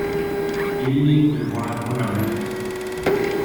Egli le vuole ancora bene.